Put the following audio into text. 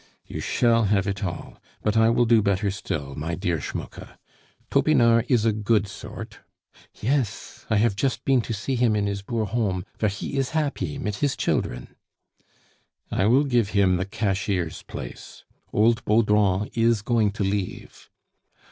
"You shall have it all! But I will do better still, my dear Schmucke. Topinard is a good sort " "Yes. I haf chust peen to see him in his boor home, vere he ees happy mit his children " "I will give him the cashier's place. Old Baudrand is going to leave."